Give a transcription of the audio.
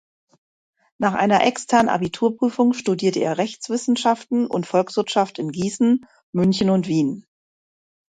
Nach einer externen Abiturprüfung studierte er Rechtswissenschaften und Volkswirtschaft in Gießen, München und Wien.